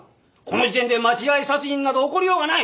この時点で間違い殺人など起こりようがない！